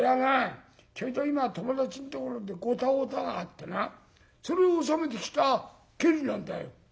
ちょいと今友達んところでゴタゴタがあってなそれを収めてきた帰りなんだよ」。